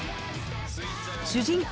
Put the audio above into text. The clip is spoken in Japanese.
主人公